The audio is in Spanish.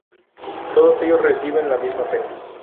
Todo ellos reciben la misma pena.